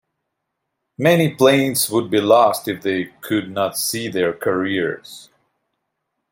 Many planes would be lost if they could not see their carriers.